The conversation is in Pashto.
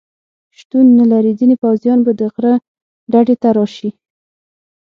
شتون نه لري، ځینې پوځیان به د غره ډډې ته راشي.